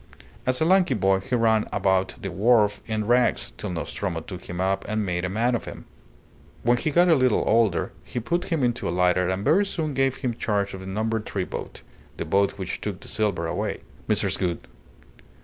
As a lanky boy he ran about the wharf in rags, till Nostromo took him up and made a man of him. When he got a little older, he put him into a lighter and very soon gave him charge of the No. 3 boat the boat which took the silver away, Mrs. Gould.